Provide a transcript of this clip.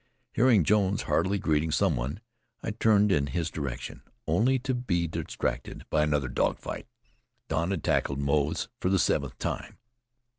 Hearing Jones heartily greeting some one, I turned in his direction, only to be distracted by another dog fight. Don had tackled Moze for the seventh time.